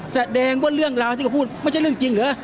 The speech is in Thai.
แสดงว่าเรื่องราวที่เขาพูดไม่ใช่เรื่องจริงเหรอ